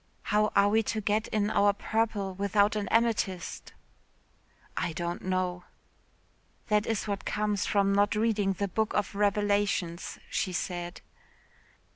"How are we to get in our purple without an amethyst?" "I don't know." "That is what comes from not reading the Book of Revelations," she said.